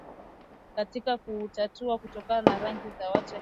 katika kuutatua kutokana na rangi ya watu wa Tigrinya